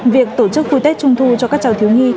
việc tổ chức vui tết trung thu cho các cháu thiếu nhi